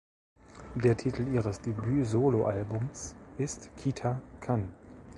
Der Titel ihres Debüt-Solo-Albums ist "Kita Kan".